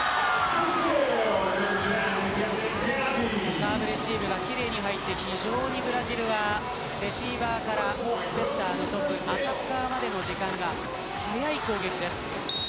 サーブレシーブが奇麗に入ってブラジルはレシーバーからアタッカーまでの時間が早い攻撃です。